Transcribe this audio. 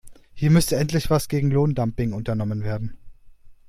Hier müsste endlich etwas gegen das Lohndumping unternommen werden.